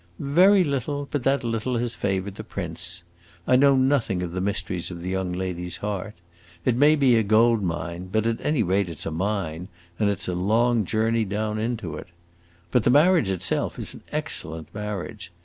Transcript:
"Very little, but that little has favored the prince. I know nothing of the mysteries of the young lady's heart. It may be a gold mine, but at any rate it 's a mine, and it 's a long journey down into it. But the marriage in itself is an excellent marriage.